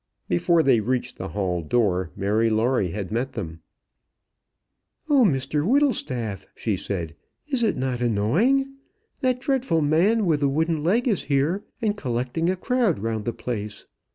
Before they reached the hall door, Mary Lawrie had met them. "Oh, Mr Whittlestaff!" she said, "is it not annoying? that dreadful man with the wooden leg is here, and collecting a crowd round the place.